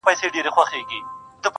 دا کيسه درس ورکوي ډېر-